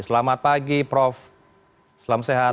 selamat pagi prof selamat sehat